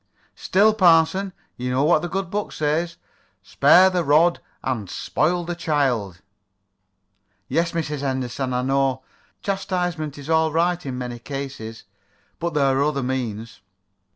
"Still, parson, you know what the Good Book says: 'Spare the rod and spoil the child.'" "Yes, Mrs. Henderson, I know. Chastisement is all right in many cases, but there are other means."